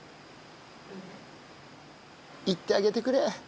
行ってあげてくれ。